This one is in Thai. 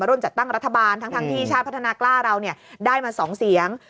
มาร่วมจัดตั้งรัฐบาลทั้งทางที่ชาติพัฒนากล้าเราเนี่ยได้มาสองเสียง